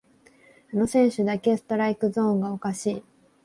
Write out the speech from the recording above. あの選手だけストライクゾーンがおかしい